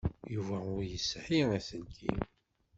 Yuba ur yesɛi aselkim.